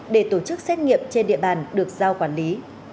để tổ chức xét nghiệm trên địa bàn được giao quản lý